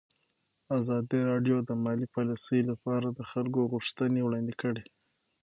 ازادي راډیو د مالي پالیسي لپاره د خلکو غوښتنې وړاندې کړي.